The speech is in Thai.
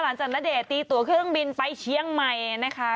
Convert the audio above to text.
ณจากณเดชน์ตีตัวเครื่องบินไปเชียงใหม่นะคะ